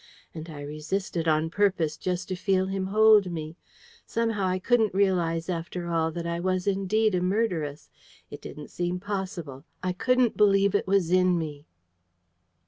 And I resisted on purpose, just to feel him hold me. Somehow, I couldn't realize, after all, that I was indeed a murderess. It didn't seem possible. I couldn't believe it was in me.